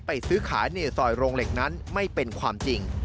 ซื้อขายในซอยโรงเหล็กนั้นไม่เป็นความจริง